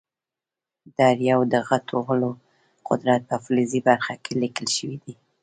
د هر یو د غټولو قدرت په فلزي برخه کې لیکل شوی دی.